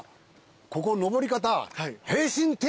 ここ上り方。